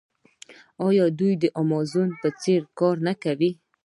آیا دوی د امازون په څیر کار نه کوي؟